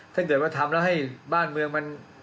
ถ้าเกิดว่าทำแล้วให้บ้านเมืองมัน